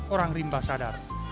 orang rimba sadar